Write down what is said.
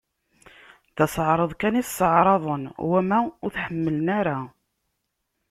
D aseɛreḍ kan i sseɛraḍen, uma ur t-ḥemmlen ara.